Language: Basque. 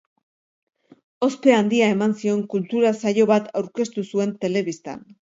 Ospe handia eman zion kultura-saio bat aurkeztu zuen telebistan.